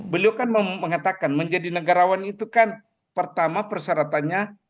beliau kan mengatakan menjadi negarawan itu kan pertama persyaratannya